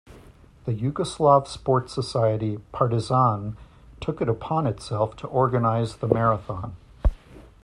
The Yugoslav Sport Society "Partizan" took it upon itself to organize the marathon.